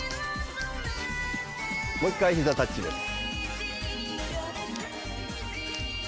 もう１回ひざタッチです。